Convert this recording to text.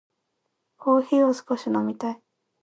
コーヒーを少し飲みたい。